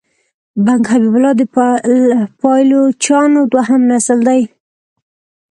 بنګ حبیب الله د پایلوچانو دوهم نسل دی.